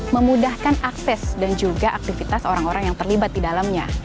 memudahkan akses dan juga aktivitas orang orang yang terlibat di dalamnya